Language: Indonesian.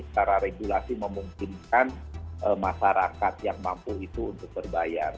secara regulasi memungkinkan masyarakat yang mampu itu untuk berbayar